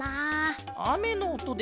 わっあめのおとで？